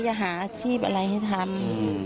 จะหาอาชีพอะไรให้ทำ